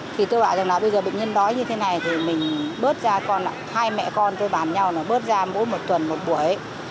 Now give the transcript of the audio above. thì tôi bảo rằng là bây giờ bệnh nhân đói như thế này thì mình bớt ra con ạ hai mẹ con tôi bàn nhau là bớt ra mỗi một tuần một buổi ấy